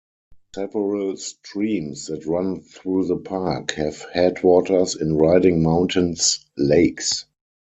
Several streams that run through the park have headwaters in Riding Mountain's lakes.